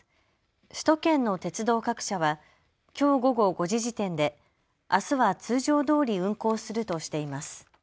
首都圏の鉄道各社はきょう午後５時時点であすは通常どおり運行するとしています。